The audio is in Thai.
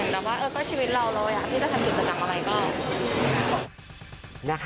แต่ว่าเออก็ชีวิตเราร้อยที่จะทำกิจกรรมกันไปก็